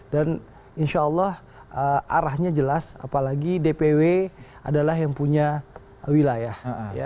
dan insya allah arahnya jelas apalagi dpw adalah yang punya wilayah